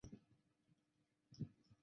的工作是在处理及的初步听证。